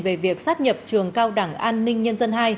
về việc sát nhập trường cao đẳng an ninh nhân dân hai